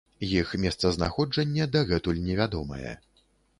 Іх месцазнаходжанне дагэтуль невядомае.